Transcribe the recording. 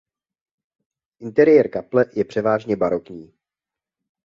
Interiér kaple je převážně barokní.